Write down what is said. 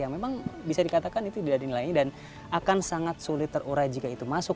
yang memang bisa dikatakan itu tidak dinilai dan akan sangat sulit terurai jika itu masuk